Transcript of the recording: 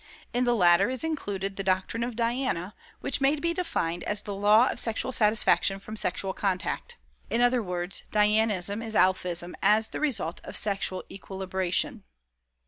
In the latter is included the doctrine of 'Diana,' which may be defined as THE LAW OF SEXUAL SATISFACTION FROM SEXUAL CONTACT. In other words, Dianism is Alphism as the result of sexual equilibration."